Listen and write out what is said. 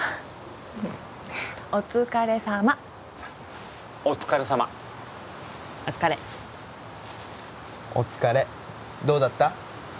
お疲れさまお疲れさまお疲れお疲れどうだった？